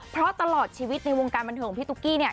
เพราะตลอดชีวิตในวงการบันเทิงของพี่ตุ๊กกี้เนี่ย